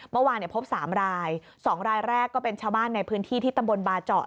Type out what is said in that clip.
เมื่อวานพบ๓ราย๒รายแรกก็เป็นชาวบ้านในพื้นที่ที่ตำบลบาเจาะ